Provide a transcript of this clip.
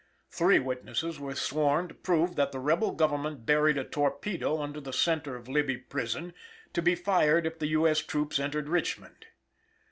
Three witnesses were sworn to prove that the rebel government buried a torpedo under the centre of Libby Prison, to be fired if the U. S. troops entered Richmond.